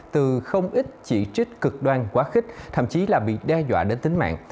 từ không ít chỉ trích cực đoan quá khích thậm chí là bị đe dọa đến tính mạng